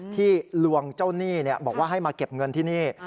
ลวงเจ้าหนี้บอกว่าให้มาเก็บเงินที่นี่